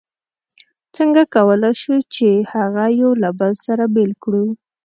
څنګه کولای شو چې هغه یو له بل څخه بېل کړو؟